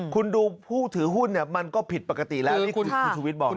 คุณดูผู้ถือหุ้นเนี่ยมันก็ผิดปกติแล้วนี่คือคุณชูวิทย์บอกนะ